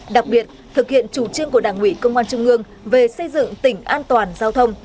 đặc biệt thực hiện chủ trương của đảng ủy công an trung ương về xây dựng tỉnh an toàn giao thông